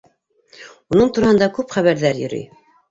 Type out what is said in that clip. Уның тураһында күп хәбәрҙәр йөрөй.